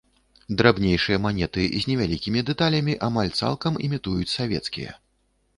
Драбнейшыя манеты з невялікімі дэталямі амаль цалкам імітуюць савецкія.